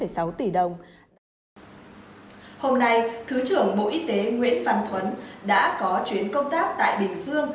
hôm nay thứ trưởng bộ y tế nguyễn văn thuấn đã có chuyến công tác tại bình dương